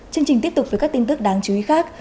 chương trình tiếp tục với các tin tức đáng chú ý khác